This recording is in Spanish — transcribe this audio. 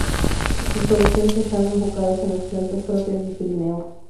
Sus colecciones están enfocadas en las plantas propias del Pirineo